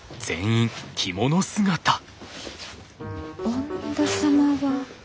恩田様は？